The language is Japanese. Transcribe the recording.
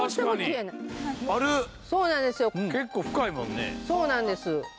そうなんですよ。